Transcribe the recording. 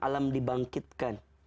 enam alam dibangkitkan